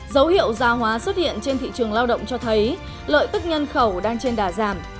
dấu hiệu gia hóa xuất hiện trên thị trường lao động cho thấy lợi tức nhân khẩu đang trên đà giảm